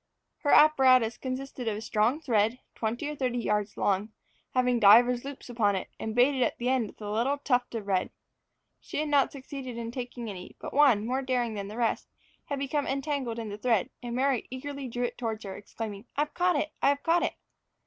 Her apparatus consisted of a strong thread, twenty or thirty yards long, having divers loops upon it, and baited at the end with a little tuft of red. She had not succeeded in taking any; but one, more daring than the rest, had become entangled in the thread, and Mary eagerly drew it towards her, exclaiming, "I have caught it! I have caught it!"